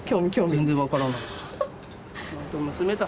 全然分からない。